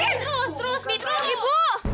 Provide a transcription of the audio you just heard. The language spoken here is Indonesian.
terus terus terus ibu